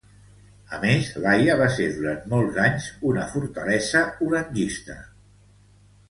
A més, l'Haia va ser durant molts anys una fortalesa orangista.